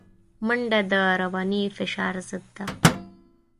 منډه د رواني فشار ضد ده